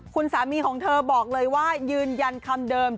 คุณสามีของเธอบอกเลยว่ายืนยันคำเดิม